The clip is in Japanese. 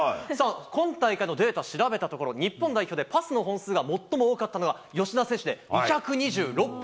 今大会のデータを調べたところ、日本代表でパスの本数が最も多かったのが吉田選手で、２２６本。